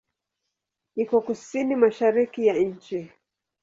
Iko kusini-mashariki ya nchi.